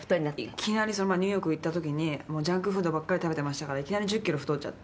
「いきなりニューヨークへ行った時にジャンクフードばっかり食べてましたからいきなり１０キロ太っちゃって」